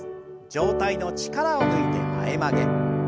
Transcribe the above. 上体の力を抜いて前曲げ。